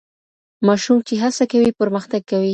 ماشوم چي هڅه کوي پرمختګ کوي.